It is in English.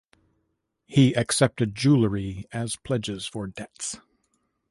He accepted jewelry as pledges for debts.